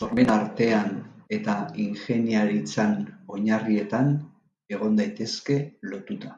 Sormena artean eta ingeniaritzan oinarrietan egon daitezke lotuta.